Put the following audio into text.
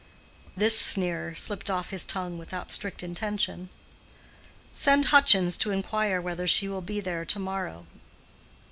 This sneer slipped off his tongue without strict intention. "Send Hutchins to inquire whether she will be there to morrow."